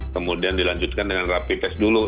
kemudian dilanjutkan dengan rapi tes dulu